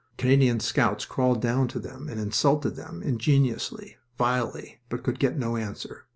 Canadian scouts crawled down to them and insulted them, ingeniously, vilely, but could get no answer.